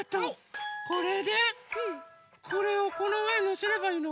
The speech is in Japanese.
これでこれをこのうえにのせればいいの？